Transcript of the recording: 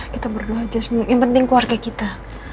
kita berdua aja yang penting keluarga kita